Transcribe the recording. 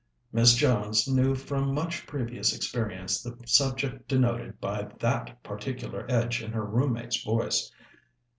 Miss Jones knew from much previous experience the subject denoted by that particular edge in her room mate's voice.